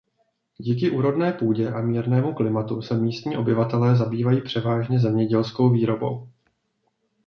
Díky úrodné půdě a mírnému klimatu se místní obyvatelé zabývají převážně zemědělskou výrobou.